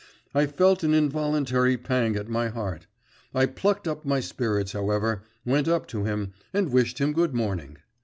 I felt an involuntary pang at my heart. I plucked up my spirits, however, went up to him, and wished him good morning.